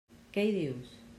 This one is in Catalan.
Què hi dius?